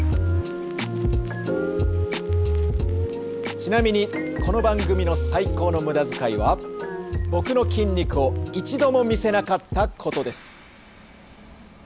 ちなみにこの番組の「最高の無駄遣い」は僕の筋肉を一度も見せなかったことです。